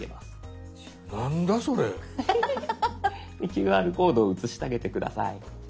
ＱＲコードを写してあげて下さい。